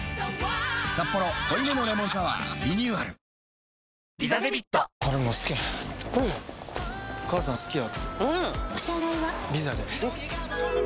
「サッポロ濃いめのレモンサワー」リニューアルなんだ？